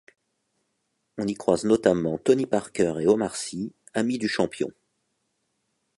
On y croise notamment Tony Parker et Omar Sy, amis du champion.